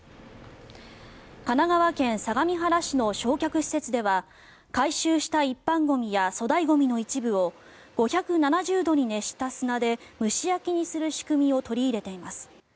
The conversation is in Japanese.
神奈川県相模原市の焼却施設では回収した一般ゴミや粗大ゴミの一部を５７０度に熱した砂で蒸し焼きにする仕組みを取り入れています。